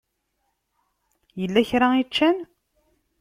Yella kra i ččan?